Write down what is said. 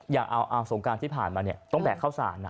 อย่างเอาสงการที่ผ่านมาต้องแบกข้าวสารนะ